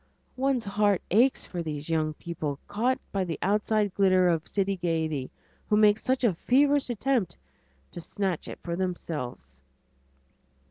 One's heart aches for these young people caught by the outside glitter of city gayety, who make such a feverish attempt to snatch it for themselves.